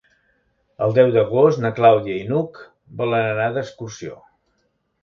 El deu d'agost na Clàudia i n'Hug volen anar d'excursió.